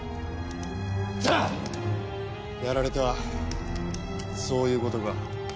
だあっ！やられたそういうことか。